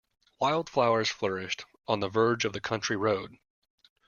Wildflowers flourished on the verge of the country road